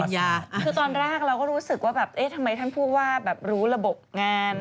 คือตอนแรกเราก็รู้สึกว่าแบบเอ๊ะทำไมท่านผู้ว่าแบบรู้ระบบงาน